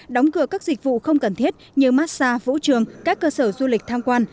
đóng cửa các dịch vụ không cần thiết như massage vũ trường các cơ sở du lịch tham quan